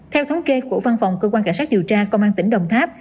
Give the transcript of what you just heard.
theo thống kê của văn phòng cơ quan cảnh sát điều tra công an tỉnh đồng tháp